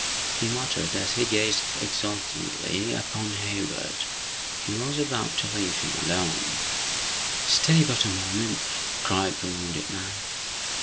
he muttered, as he gazed exultingly upon Hayward. He was about to leave him alone. "Stay but a moment!" cried the wounded man.